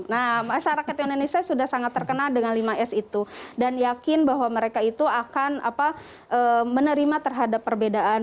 nah masyarakat indonesia sudah sangat terkenal dengan lima s itu dan yakin bahwa mereka itu akan menerima terhadap perbedaan